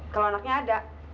kalau anaknya ada